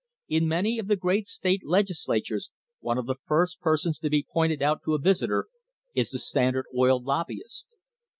In many of the great state Legislatures one of the first persons to be pointed out to a visitor is the Standard Oil lobbyist.